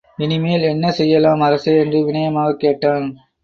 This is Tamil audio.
இனி மேல் என்ன செய்யலாம் அரசே! என்று விநயமாகக் கேட்டான்.